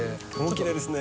きれいですね。